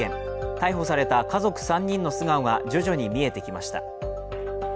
逮捕された家族３人の素顔が徐々に見えてきました。